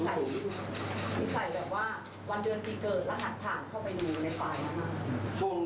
มีใส่แบบว่าวันเดือนทีเกิดรหัสผ่านเข้าไปดูในไฟล์นะครับ